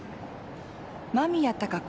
間宮貴子